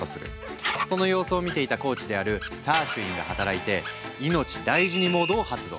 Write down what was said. その様子を見ていたコーチであるサーチュインが働いて「いのちだいじにモード」を発動。